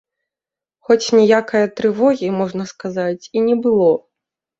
Хоць ніякае трывогі, можна сказаць, і не было.